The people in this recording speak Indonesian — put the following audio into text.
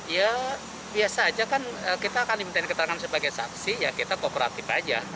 ya biasa aja kan kita akan dimintain keterangan sebagai saksi ya kita kooperatif aja